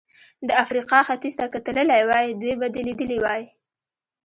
د افریقا ختیځ ته که تللی وای، دوی به دې لیدلي وای.